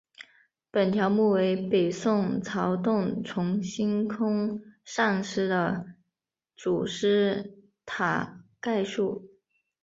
本条目为北宋曹洞宗心空禅师的祖师塔概述。